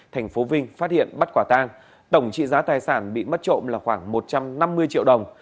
thành phố vinh phát hiện bắt quả tang tổng trị giá tài sản bị mất trộm là khoảng một trăm năm mươi triệu đồng